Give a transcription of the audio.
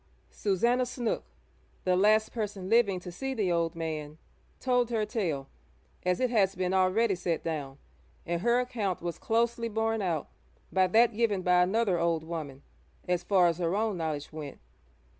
Susannah Snook, the last person living to see the old man, told her tale as it has been already set down, and her account was closely borne out by that given by another old woman as far as her own knowledge went.